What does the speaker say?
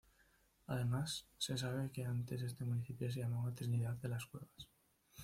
Además, se sabe que antes este municipio se llamaba Trinidad de las Cuevas.